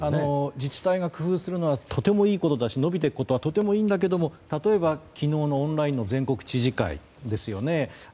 自治体が工夫するのはとてもいいことだし伸びていくことはとてもいいんだけども例えば昨日のオンラインの全国知事会ですよね。